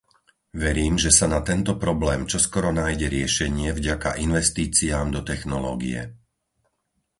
Verím, že sa na tento problém čoskoro nájde riešenie vďaka investíciám do technológie.